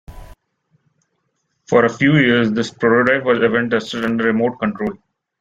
For a few years this prototype was even tested under remote control.